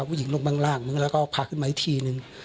ผู้หญิงสภาพเป็นยังไง